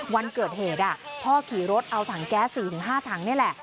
วันเกิดเหตุพ่อขี่รถเอาถังแก๊ส๔๕ถังนี่แหละ